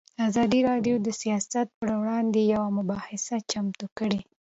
ازادي راډیو د سیاست پر وړاندې یوه مباحثه چمتو کړې.